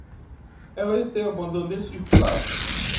Elle a été abandonnée sur place.